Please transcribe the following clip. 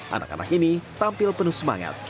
anak anak ini tampil penuh semangat